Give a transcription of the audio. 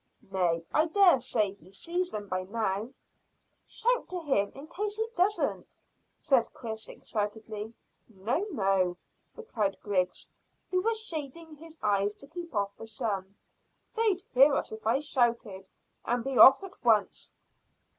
"Nay, I dare say he sees them by now." "Shout to him in case he doesn't," said Chris excitedly. "No, no," replied Griggs, who was shading his eyes to keep off the sun. "They'd hear us if I shouted, and be off at once."